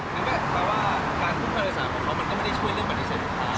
นั่นแปลว่าการคุมภาษาของเขามันก็ไม่ได้ช่วยเรื่องปฏิเสธลูกค้า